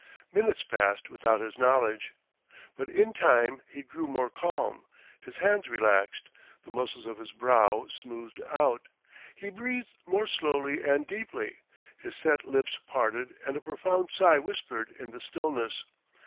Minutes passed without his knowledge. But in time he grew more calm; his hands relaxed, the muscles of his brow smoothed out, he breathed more slowly and deeply; his set lips parted and a profound sigh whispered in the stillness.